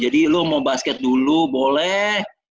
lo mau basket dulu boleh